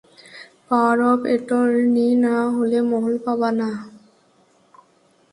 Power of attorney না হলে, মহল পাবা না।